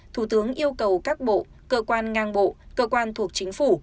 thủ tướng yêu cầu các bộ cơ quan ngang bộ cơ quan thuộc chính phủ